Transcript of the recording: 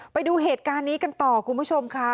ไปดูเหตุการณ์นี้กันต่อคุณผู้ชมค่ะ